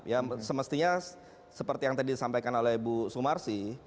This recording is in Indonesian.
ya semestinya seperti yang tadi disampaikan oleh bu sumarsi